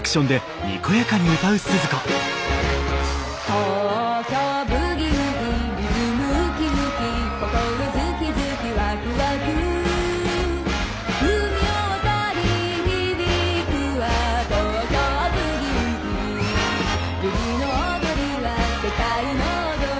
「東京ブギウギリズムウキウキ」「心ズキズキワクワク」「海を渡り響くは東京ブギウギ」「ブギの踊りは世界の踊り」